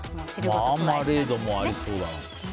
マーマレードも合いそうだな。